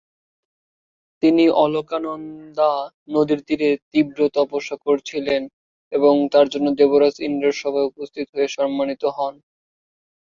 তিনি অলকানন্দা নদীর তীরে তীব্র তপস্যা করেছিলেন এবং তার জন্য দেবরাজ ইন্দ্রের সভায় উপস্থিত হয়ে সম্মানিত হন।